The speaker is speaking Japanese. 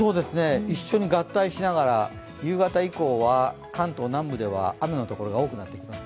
一緒に合体しながら、夕方以降は関東南部では雨の所が多くなってきます。